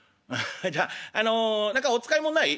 「じゃああの何かお使い物ない？